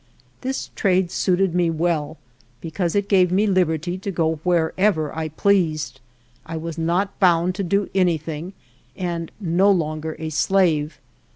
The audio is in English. This trade suited me well because it gave me lib erty to go wherever I pleased ; I was not bound to do anything and no longer a slave.